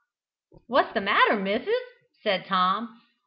"What's the matter, missis?" said Tom.